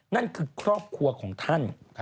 นั่นคือครอบครัวของท่าน